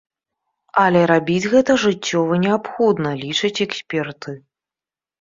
Але рабіць гэта жыццёва неабходна, лічаць эксперты.